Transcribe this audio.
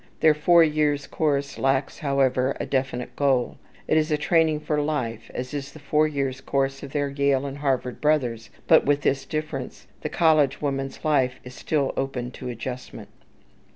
Their four years' course lacks, however, a definite goal. It is a training for life, as is the four years' course of their Yale or Harvard brothers, but with this difference, the college woman's life is still open to adjustment.